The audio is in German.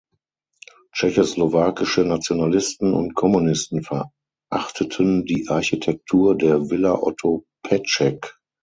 Tschechoslowakische Nationalisten und Kommunisten verachteten die Architektur der Villa Otto Petschek.